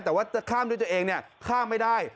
แต่ว่าข้ามด้วยตัวเองข้ามไม่ได้